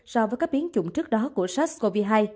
so với các biến chủng trước đó của sars cov hai